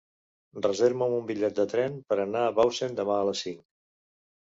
Reserva'm un bitllet de tren per anar a Bausen demà a les cinc.